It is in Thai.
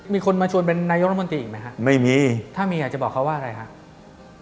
มีคนมาชวนเป็นนายกรมนตรีอีกไหมครับถ้ามีอาจจะบอกเขาว่าอะไรครับไม่มี